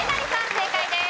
正解です。